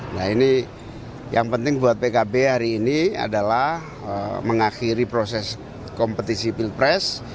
nah ini yang penting buat pkb hari ini adalah mengakhiri proses kompetisi pilpres